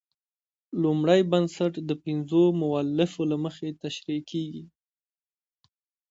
لومړی بنسټ د پنځو مولفو له مخې تشرېح کیږي.